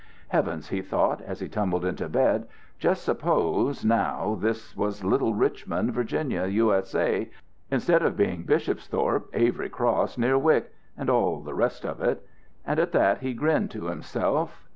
Heavens, he thought, as he tumbled into bed, just suppose, now, this was little old Richmond, Virginia, U.S.A., instead of being Bishopsthorpe, Avery Cross near Wick, and all the rest of it! And at that, he grinned to himself.